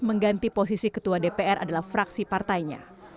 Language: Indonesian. mengganti posisi ketua dpr adalah fraksi partainya